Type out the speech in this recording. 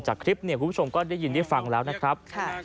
นี่ครั้งหน้าประมาณครึบชมได้ยินได้ฟังแล้วนะครับ